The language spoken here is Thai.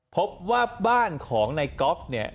พบว่าบ้านของนายก๊อฟเนี่ย